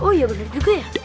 oh iya bener juga ya